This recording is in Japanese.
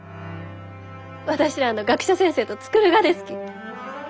私らの学者先生と造るがですき。